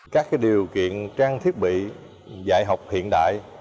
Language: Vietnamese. các điều kiện trang thiết bị dạy học hiện đại